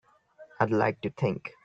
I'd like to think.